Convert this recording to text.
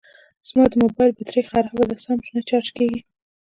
زما د موبایل بېټري خرابه ده سم نه چارج کېږي